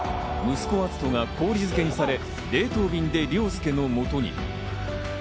息子・篤斗が氷漬けにされ冷凍便で凌介のもとに。